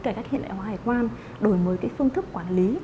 cải cách hiện đại hóa hải quan đổi mới phương thức quản lý